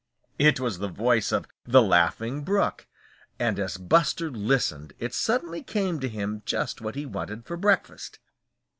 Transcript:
It was the voice of the Laughing Brook. And as Buster listened it suddenly came to him just what he wanted for breakfast.